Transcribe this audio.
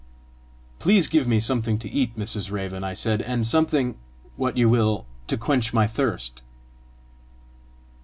"Please give me something to eat, Mrs. Raven," I said, "and something what you will to quench my thirst."